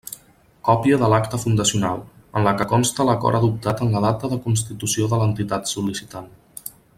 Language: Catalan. Còpia de l'acta fundacional, en la que conste l'acord adoptat en la data de constitució de l'entitat sol·licitant.